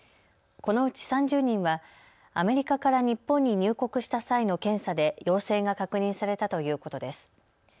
このうち３０人はアメリカから日本に入国した際の検査で陽性が確認されたということです。